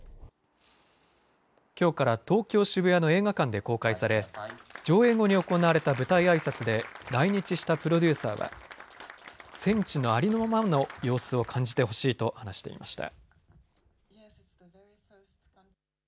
きょうから東京・渋谷の映画館で公開され上映後に行われた舞台あいさつで来日したプロデューサーは戦地のありのままの様子を感じてほしいと話していました。